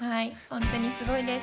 本当にすごいです。